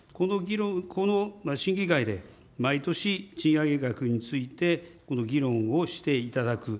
この審議会で毎年、賃上げ額について、この議論をしていただく。